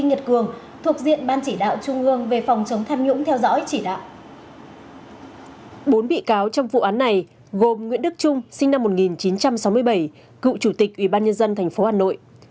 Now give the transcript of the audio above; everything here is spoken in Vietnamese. nguyễn anh ngọc sinh năm một nghìn chín trăm sáu mươi bảy cựu chủ tịch ủy ban nhân dân tp hà nội